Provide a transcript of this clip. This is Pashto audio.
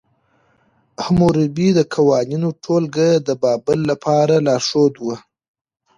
حموربي د قوانینو ټولګه د بابل لپاره لارښود وه.